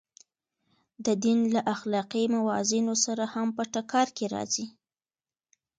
د دین له اخلاقي موازینو سره هم په ټکر کې راځي.